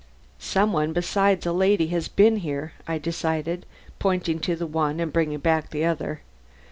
"Some one besides a lady has been here," I decided, pointing to the one and bringing back the other.